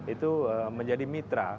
itu menjadi mitra